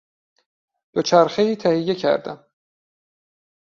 دوچرخهای تهیه کردهام.